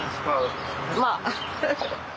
まあ。